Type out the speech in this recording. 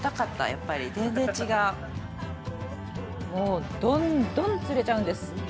やっぱり全然違うもうどんどん釣れちゃうんです